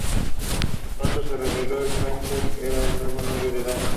Pronto se reveló que Fraiser era el nuevo novio de Diane.